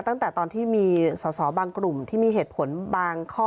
ตั้งแต่ตอนที่มีสอสอบางกลุ่มที่มีเหตุผลบางข้อ